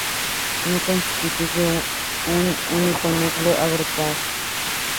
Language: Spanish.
No constituye un único núcleo agrupado.